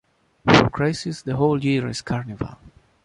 For crazies, the whole year is Carnival.